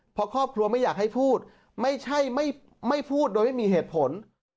เพราะครอบครัวไม่อยากให้พูดไม่ใช่ไม่พูดโดยไม่มีเหตุผล